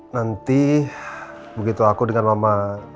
nanti begitu aku dengan mama